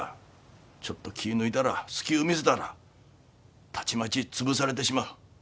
ちょっと気ぃ抜いたら隙ゅう見せたらたちまち潰されてしまう。